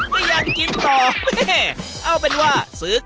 คือผมมองชีวิตเราคือ